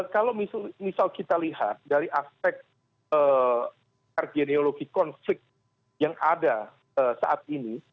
kalau misal kita lihat dari aspek argenologi konflik yang ada saat ini